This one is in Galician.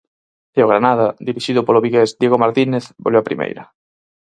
E o Granada, dirixido polo vigués Diego Martínez, volve a Primeira.